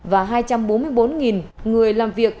và hai trăm bốn mươi bốn người làm việc